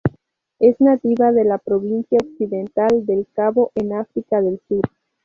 Es nativa de la Provincia Occidental del Cabo, en África del Sur.